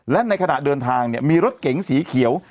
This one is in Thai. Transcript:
และในขณะเดินทางมีรถเก๋งสีเขียว